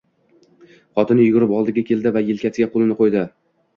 Xotini yugurib oldiga keldi va yelkasiga qoʻlini qoʻydi.